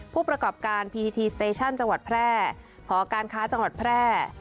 ผู้ประกอบการพีทีสเตชั่นจังหวัดแพร่หอการค้าจังหวัดแพร่